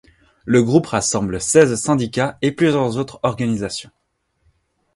Le groupe rassemble seize syndicats et plusieurs autres organisations.